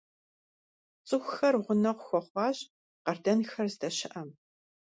ЦӀыхухэр гъунэгъу хуэхъуащ къардэнхэр здэщыӀэм.